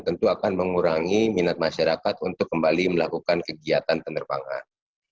tentu akan mengurangi minat masyarakat untuk kembali melakukan kegiatan penerbangan